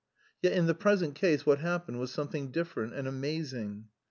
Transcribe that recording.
Yet, in the present case, what happened was something different and amazing.